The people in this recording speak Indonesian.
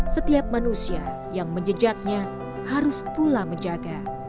setiap manusia yang menjejaknya harus pula menjaga